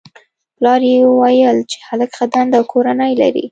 پلار یې ویل چې هلک ښه دنده او کورنۍ لري